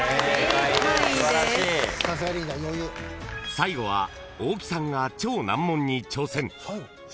［最後は大木さんが超難問に挑戦］